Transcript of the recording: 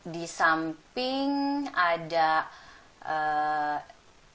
di samping ada jawa barat